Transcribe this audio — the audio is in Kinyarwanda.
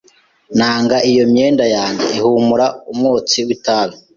Nanga iyo imyenda yanjye ihumura umwotsi w'itabi.